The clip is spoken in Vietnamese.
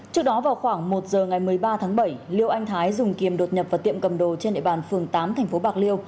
trước đó vào khoảng một giờ ngày một mươi ba tháng bảy liêu anh thái dùng kiềm đột nhập vào tiệm cầm đồ trên địa bàn phường tám tp bạc liêu